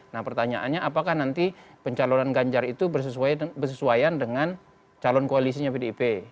nah pertanyaannya apakah nanti pencalonan ganjar itu bersesuaian dengan calon koalisinya pdip